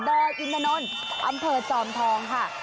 อยอินทนนท์อำเภอจอมทองค่ะ